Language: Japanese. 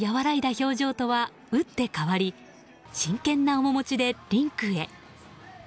表情とは打って変わり真剣な面持ちでリンクへ。